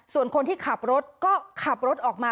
ส่วนคนที่ขับรถก็ขับรถออกมา